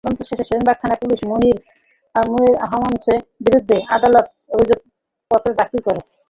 তদন্ত শেষে সেনবাগ থানার পুলিশ মনির আহমঞ্চদের বিরুদ্ধে আদালতে অভিযোগপত্র দাখিল করে।